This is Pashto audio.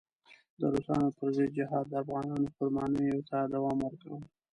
د روسانو پر ضد جهاد د افغانانو قربانیو ته دوام ورکاوه.